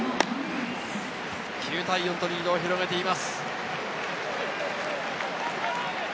９対４とリードを広げています。